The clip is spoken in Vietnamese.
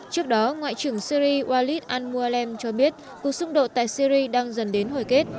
trước đó ngoại trưởng syri walid al mualem cho biết cuộc xung đột tại syri đang dần đến hồi kết